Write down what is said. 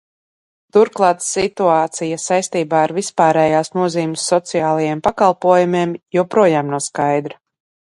Turklāt situācija saistībā ar vispārējas nozīmes sociālajiem pakalpojumiem joprojām nav skaidra.